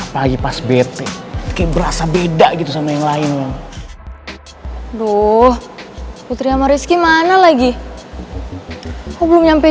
pagi pas bete keberasa beda gitu sama yang lain yang duh putri amar iski mana lagi oh belum nyampe